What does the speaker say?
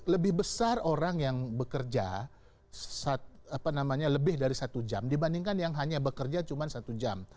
lebih besar orang yang bekerja lebih dari satu jam dibandingkan yang hanya bekerja cuma satu jam